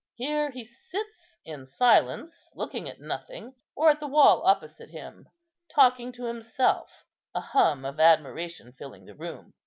Here he sits in silence, looking at nothing, or at the wall opposite him, talking to himself, a hum of admiration filling the room.